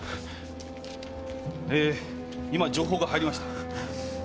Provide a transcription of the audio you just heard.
えー今情報が入りました。